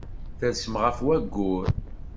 Tersem ɣef wayyur.